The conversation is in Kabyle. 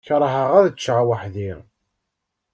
Kerheɣ ad ččeɣ weḥd-i.